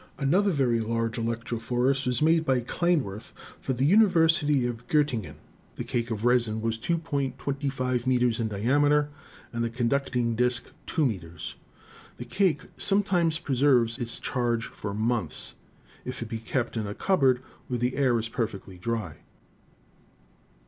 Another very large electrophorus was made by Kleindworth for the Univer sity of Gottingen; the cake of resin was 2.25 meters in diameter and the conducting disk 2 meters. "The cake sometimes preserves its charge for months, if it be kept in a cupboard where the air is perfectly dry.